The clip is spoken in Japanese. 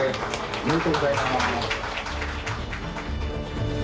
おめでとうございます！